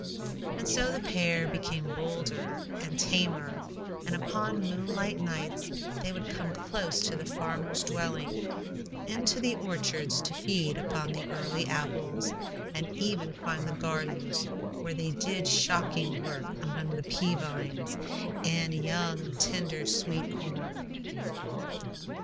And so the pair became bolder and tamer, and upon moonlight nights they would come close to the farmer's dwelling; into the orchards to feed upon the early apples, and even find the gardens, where they did shocking work among the pea vines and young, tender, sweet corn.